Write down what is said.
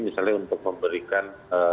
misalnya untuk memberikan